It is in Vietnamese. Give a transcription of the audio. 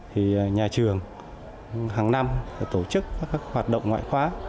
thì nhà trường hàng năm tổ chức các hoạt động ngoại khóa